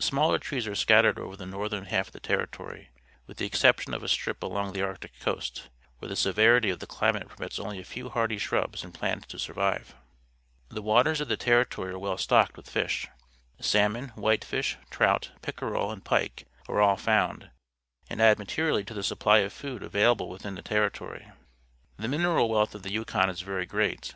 Smaller trees are scattered over the northern half of the Terri tory', with the exception of a strip along the Arctic coast, where the severity of the climate Potatoes, near Dawson, Yukon Territory permits only a few hardy shrubs and plants to survive. The waters of the Territory are well 122 PUBLIC SCHOOL GEOGRAPHY stocked with fislj. Salmon, whitefish, trout, pickerel, and pike Ure all found, and add materially to the supply of food available within the territory. The minera l wealt h of the Yukon isj^ery great.